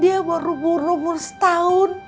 dia baru berumur setahun